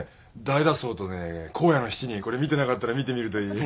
『大脱走』とね『荒野の七人』これ見てなかったら見てみるといい。